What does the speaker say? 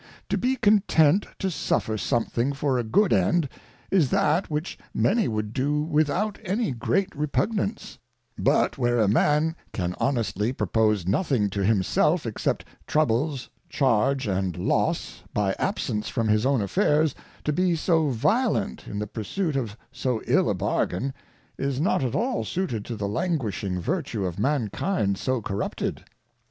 To be content to suffer something for a good end, is that which many would do without any great repugnance: but, where a Man can honestly propose nothing to himself, except Troubles, Charge, and Loss, by absence from his own Affairs, to be so violent in the pursuit of so ill a Bargain, is not at all suited to the languishing Virtue of Mankind so corrupted.